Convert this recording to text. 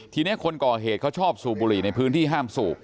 ทีนี้คนก่อเหตุเขาชอบสูบบุหรี่ในพื้นที่ห้ามสูบ